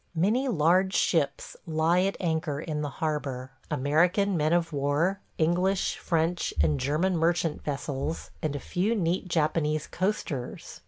Many large ships lie at anchor in the harbor – American men of war, English, French, and German merchant vessels, and a few neat Japanese coasters.